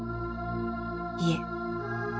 いえ］